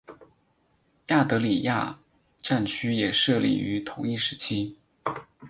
亚德里亚战区也设立于同一时期。